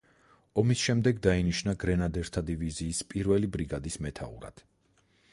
ომის შემდეგ დაინიშნა გრენადერთა დივიზიის პირველი ბრიგადის მეთაურად.